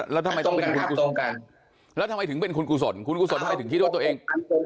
แล้วทำไมถึงเป็นคุณกุศลคุณกุศลทำไมถึงคิดว่าตัวเอง